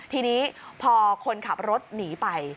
ทีนี้พอคนขับรถหนีไป